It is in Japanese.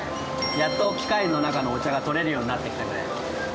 やっと機械の中のお茶が取れるようになってきたぐらい。